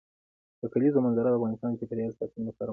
د کلیزو منظره د افغانستان د چاپیریال ساتنې لپاره مهم دي.